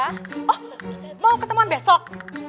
oh mau ketemuan besok